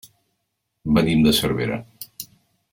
Venim de Cervera.